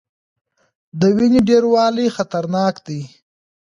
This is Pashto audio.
د وینې ډیروالی خطرناک دی.